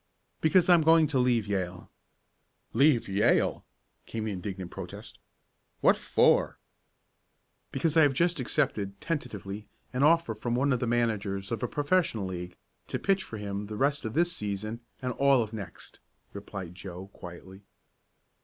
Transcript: "Because I'm going to leave Yale!" "Leave Yale!" came the indignant protest. "What for?" "Because I have just accepted, tentatively, an offer from one of the managers of a professional league to pitch for him the rest of this season, and all of next," replied Joe quietly.